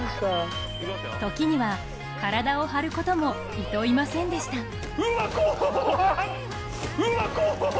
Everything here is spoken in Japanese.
時には体を張ることもいといませんでした。